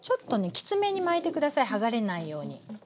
きつめに巻いて下さい剥がれないように。